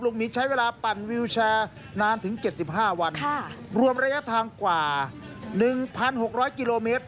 นี้ใช้เวลาปั่นวิวแชร์นานถึง๗๕วันรวมระยะทางกว่า๑๖๐๐กิโลเมตร